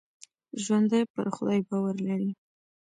ژوندي پر خدای باور لري